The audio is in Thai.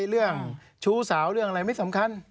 เรื่องชู้สาวเรื่องอะไรไม่สำคัญ